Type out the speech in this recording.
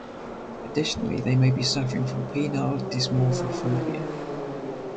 Additionally, they may be suffering from penile dysmorphophobia.